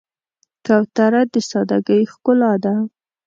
کوتره د سادګۍ ښکلا ده.